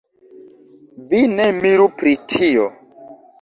Vi ne miru pri tio.